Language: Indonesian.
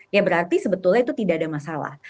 ya berarti sebetulnya itu tidak ada masalah